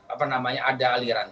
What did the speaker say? apa namanya ada aliran